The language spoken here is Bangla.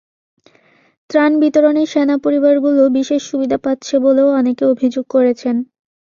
ত্রাণ বিতরণে সেনা পরিবারগুলো বিশেষ সুবিধা পাচ্ছে বলেও অনেকে অভিযোগ করেছেন।